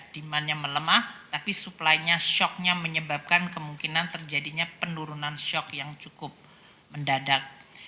demandnya melemah tapi supply nya shocknya menyebabkan kemungkinan terjadinya penurunan shock yang cukup mendadak